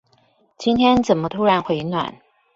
今天怎麼突然回暖